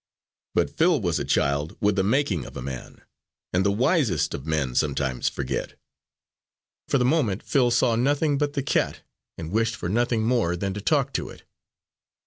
But Phil was a child, with the making of a man, and the wisest of men sometimes forget. For the moment Phil saw nothing but the cat, and wished for nothing more than to talk to it.